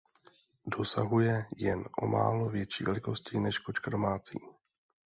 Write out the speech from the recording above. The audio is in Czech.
Dosahuje jen o málo větší velikosti než kočka domácí.